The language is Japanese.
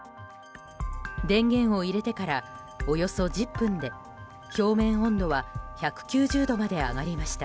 電源を入れてからおよそ１０分で表面温度は１９０度まで上がりました。